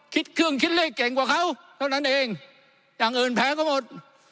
คิดเครื่องคิดเลขเก่งกว่าเขาเท่านั้นเองอย่างอื่นแพ้ก็หมด